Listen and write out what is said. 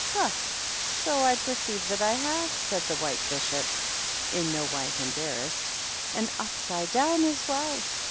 " Ha ! So I perceive that I have," said th White Bishop, in no wise embarrassed ;" an upside down as well.